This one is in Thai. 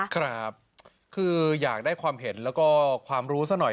ครับคืออยากได้ความเห็นแล้วก็ความรู้ซะหน่อย